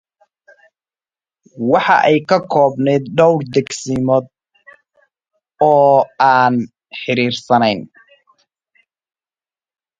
It consisted of several unconnected smaller settlements.